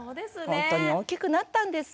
ほんとに大きくなったんですね。